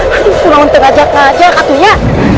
hantu rontek kajak kajak katunya